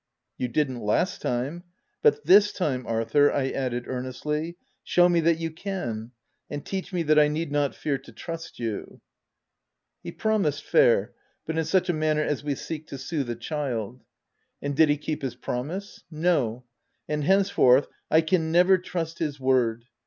" You didn't last time. — But this time, Ar thur," I added, earnestly, " show me that you can, and teach me that I need not fear to trust you !" He promised fair, but in such a manner as we seek to sooth a child. And did he keep his promise ? No ;— and, henceforth, i" can never trust his word.